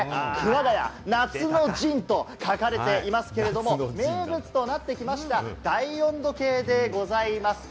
「熊谷夏の陣」と書かれていますけれども、名物となってきました、大温度計でございます。